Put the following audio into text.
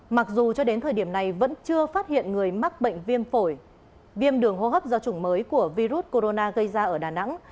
mặc dù cho đến thời điểm này vẫn chưa phát hiện người mắc bệnh viêm phổi viêm đường hô hấp do chủng mới của virus corona gây ra ở đà nẵng